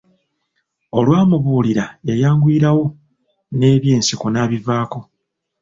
Olwamubuulira yanyigirawo ne eby'enseko n'abivaako.